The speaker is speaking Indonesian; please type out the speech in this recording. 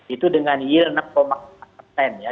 itu dengan yield enam empat persen ya